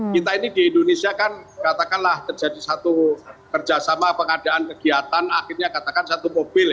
kita ini di indonesia kan katakanlah terjadi satu kerjasama pengadaan kegiatan akhirnya katakan satu mobil